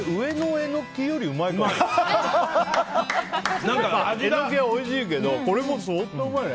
エノキもおいしいけどこれも相当うまいね。